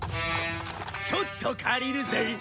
ちょっと借りるぜ！